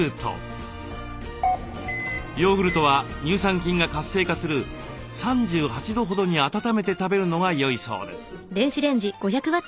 ヨーグルトは乳酸菌が活性化する３８度ほどに温めて食べるのがよいそうです。